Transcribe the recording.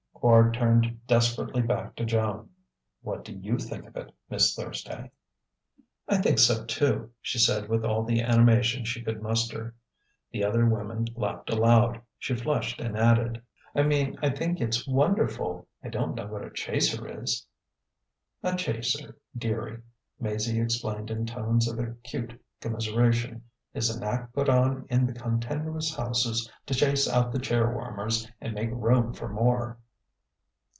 Quard turned desperately back to Joan. "What do you think of it, Miss Thursday?" "I think so too," she said with all the animation she could muster. The other women laughed aloud. She flushed and added: "I mean, I think it's wonderful. I don't know what a chaser is." "A chaser, dearie," Maizie explained in tones of acute commiseration, "is an act put on in the continuous houses to chase out the chair warmers and make room for more."